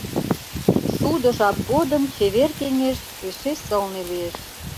Шудо жап годым чевер кеҥеж эше сылне лиеш.